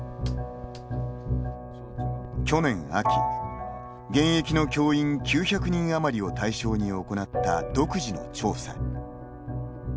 去年秋、現役の教員９００人余りを対象に行った独自の調査。